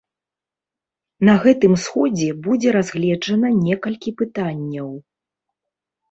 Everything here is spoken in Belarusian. На гэтым сходзе будзе разгледжана некалькі пытанняў.